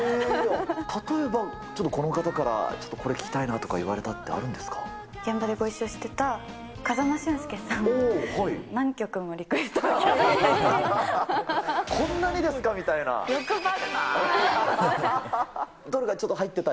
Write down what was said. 例えばちょっとこの方からちょっとこれ聴きたいなとかいわれ現場でご一緒してた、風間俊介さん、何曲もリクエストが来ました。